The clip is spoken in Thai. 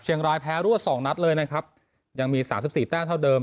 ร้ายแพ้รวดสองนัดเลยนะครับยังมีสามสิบสี่แต้มเท่าเดิม